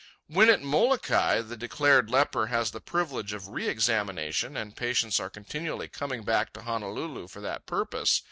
When at Molokai, the declared leper has the privilege of re examination, and patients are continually coming back to Honolulu for that purpose.